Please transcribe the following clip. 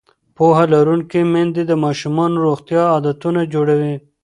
پوهه لرونکې میندې د ماشومانو روغتیایي عادتونه جوړوي.